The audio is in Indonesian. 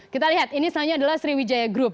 kita lihat ini selanjutnya adalah sriwijaya group